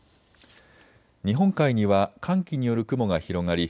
日本海には寒気による雲が広がり